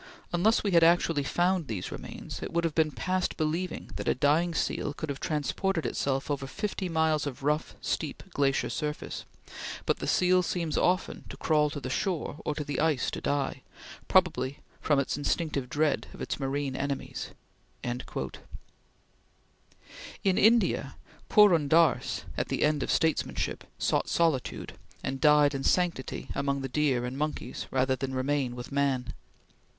"Unless we had actually found these remains, it would have been past believing that a dying seal could have transported itself over fifty miles of rough, steep, glacier surface," but "the seal seems often to crawl to the shore or the ice to die, probably from its instinctive dread of its marine enemies." In India, Purun Dass, at the end of statesmanship, sought solitude, and died in sanctity among the deer and monkeys, rather than remain with man.